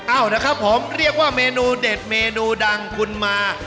เอ้านะครับผมเรียกว่าเมนูเด็ดเมนูดังคุณมา